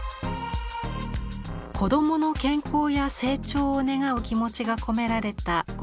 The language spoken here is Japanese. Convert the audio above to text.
子どもの健康や成長を願う気持ちが込められた五月人形。